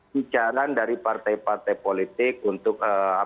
bicaran dari partai partai politik untuk